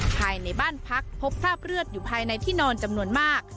ภายในบ้านพักพบคราบเลือดอยู่ภายในที่นอนจำนวนมาก